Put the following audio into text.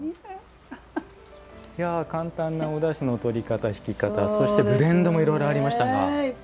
簡単なおだしの取り方引き方そしてブレンドもいっぱいありましたね。